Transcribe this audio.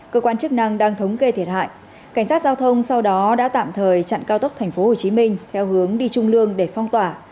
cơ quan chức năng đang thống kê thiệt hại cảnh sát giao thông sau đó đã tạm thời chặn cao tốc tp hcm theo hướng đi trung lương để phong tỏa